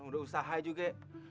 udah usaha juga